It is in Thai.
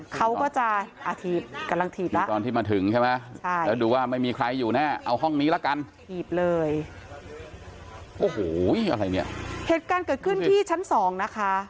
ก็ถีบเลยโอ้โหอะไรเนี่ยเหตุการณ์เกิดขึ้นที่ชั้นสองนะคะ